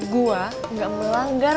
gue gak melanggar